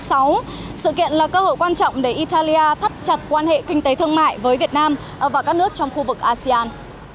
sự kiện là cơ hội quan trọng để italia thắt chặt quan hệ kinh tế thương mại với việt nam và các nước trong khu vực asean